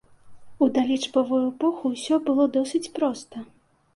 У далічбавую эпоху ўсё было досыць проста.